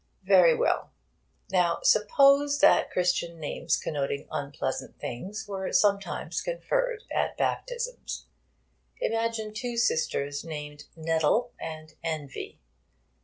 Very well. Now, suppose that Christian names connoting unpleasant things were sometimes conferred at baptisms. Imagine two sisters named Nettle and Envy.